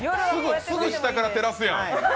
すぐ下から照らすやん。